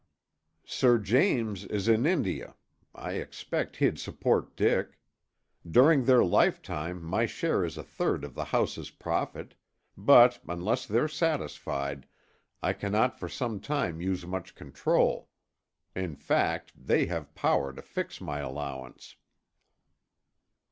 "Sir James is in India; I expect he'd support Dick. During their lifetime my share is a third of the house's profit, but, unless they're satisfied, I cannot for some time use much control. In fact, they have power to fix my allowance."